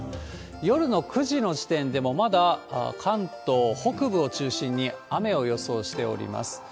夜の９時の時点でも、まだ関東北部を中心に雨を予想しております。